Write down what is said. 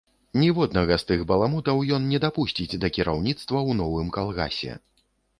Ніводнага з тых баламутаў ён не дапусціць да кіраўніцтва ў новым калгасе.